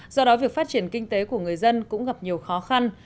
do đó việc phát triển kinh tế của người dân cũng gặp nhiều khó khăn